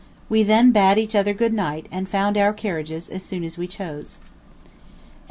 We then bade each other good night, and found our carriages as soon as we chose. _To W.